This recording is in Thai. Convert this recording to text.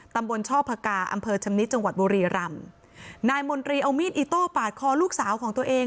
ตำบลช่อพกาอำเภอชำนิดจังหวัดบุรีรำนายมนตรีเอามีดอิโต้ปาดคอลูกสาวของตัวเอง